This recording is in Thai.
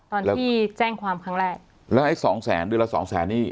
ตอนที่แจ้งความครั้งแรกแล้วไอ้สองแสนเดือนละสองแสนนี่